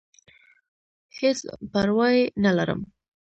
هېڅ پرواه ئې نۀ لرم -